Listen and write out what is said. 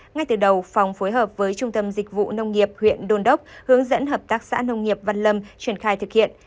ngay từ đầu phòng phối hợp với trung tâm dịch vụ nông nghiệp huyện đôn đốc hướng dẫn hợp tác xã nông nghiệp văn lâm triển khai thực hiện